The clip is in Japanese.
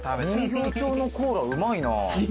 人形町のコーラうまいな。